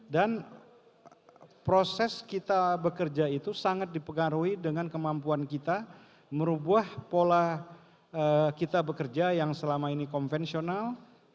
dan proses kita bekerja itu sangat di pengaruhi dengan kemampuan kita merubah pola kita bekerja yang selama ini konvensional